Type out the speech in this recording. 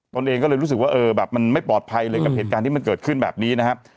ตัวเองก็เลยรู้สึกว่าเออแบบมันไม่ปลอดภัยเลยกับเหตุการณ์ที่มันเกิดขึ้นแบบนี้นะครับ